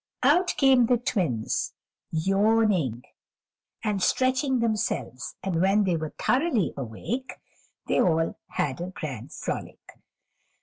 Out came the Twins, yawning and stretching themselves, and when they were thoroughly awake, they all had a grand frolic.